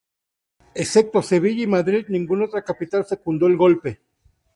Excepto Sevilla y Madrid, ninguna otra capital secundó el golpe.